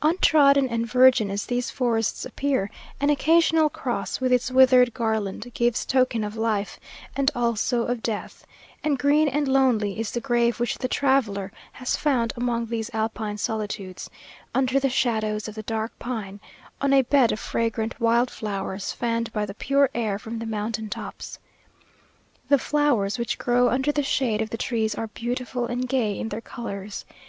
Untrodden and virgin as these forests appear, an occasional cross, with its withered garland, gives token of life, and also of death; and green and lonely is the grave which the traveller has found among these Alpine solitudes, under the shadows of the dark pine, on a bed of fragrant wild flowers, fanned by the pure air from the mountain tops. The flowers which grow under the shade of the trees are beautiful and gay in their colours.